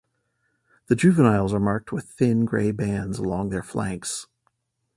The juveniles are marked with thin grey bands along their flanks.